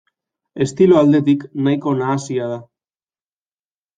Estilo aldetik nahiko nahasia da.